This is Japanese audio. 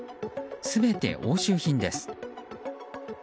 全て押収品です。